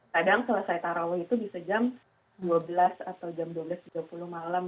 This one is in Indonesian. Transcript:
kadang selesai taraweh itu bisa jam dua belas atau jam dua belas tiga puluh malam